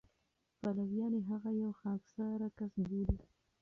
پلویان یې هغه یو خاکساره کس بولي.